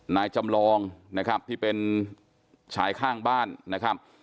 นายจำลองนะครับที่เป็นชายข้างบ้านนะครับ